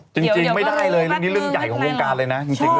จริงไม่ได้เลยเรื่องนี้เรื่องใหญ่ของวงการเลยนะจริง